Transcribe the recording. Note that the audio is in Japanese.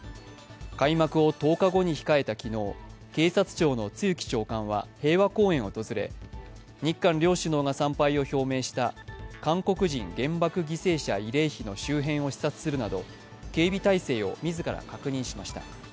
開幕を１０日後に控えた昨日、警察庁の露木長官は平和公園を訪れ、日韓両首脳が参拝を表明した韓国人原爆犠牲者慰霊碑の周辺を視察するなど警備態勢を自ら確認しました。